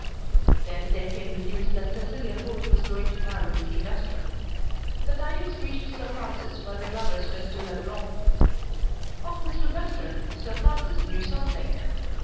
Then there came the news that Cecilia Holt was going to marry Mr. Western. The tidings reached Sir Francis while the lovers were still at Rome. Of Mr. Western Sir Francis knew something.